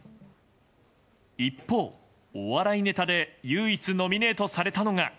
一方、お笑いネタで唯一ノミネートされたのが。